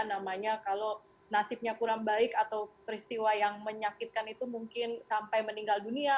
namanya kalau nasibnya kurang baik atau peristiwa yang menyakitkan itu mungkin sampai meninggal dunia